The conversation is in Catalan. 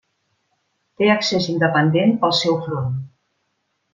Té accés independent pel seu front.